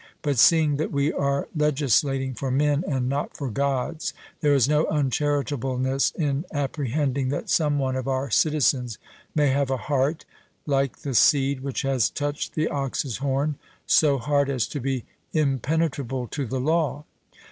But seeing that we are legislating for men and not for Gods, there is no uncharitableness in apprehending that some one of our citizens may have a heart, like the seed which has touched the ox's horn, so hard as to be impenetrable to the law.